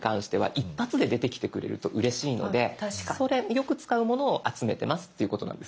よく使うものを集めてますっていうことなんです。